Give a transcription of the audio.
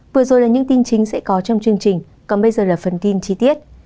vừa rồi là những tin chính sẽ có trong chương trình còn bây giờ là phần tin chi tiết